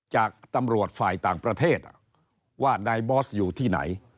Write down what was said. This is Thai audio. จากตำรวจฝ่ายต่างประเทศว่านายบอสอยู่ที่ไหน